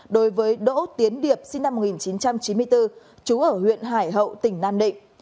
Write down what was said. đối với đỗ tiến điệp sinh năm một nghìn chín trăm chín mươi bốn trú ở huyện hải hậu tỉnh nam định